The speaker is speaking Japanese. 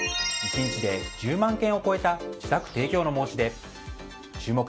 １日で１０万件を超えた自宅提供の申し出。